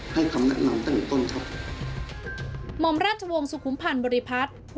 หม่อมราชวงศ์สุขุมภัณฑ์บริพัฒน์